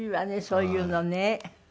そういうのね。